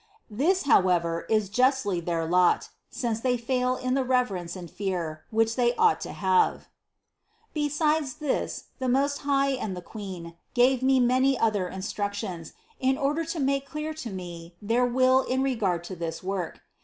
This, however, is justly their lot, since they fail in the reverence and fear, which they ought to have." Besides this the Most High and the Queen gave me many other instructions, in order to make clear to me their will in regard to this work.